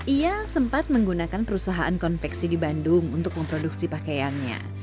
ia sempat menggunakan perusahaan konveksi di bandung untuk memproduksi pakaiannya